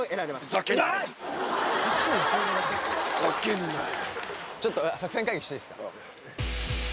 ふざけんなよ